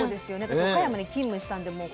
私岡山に勤務したんで。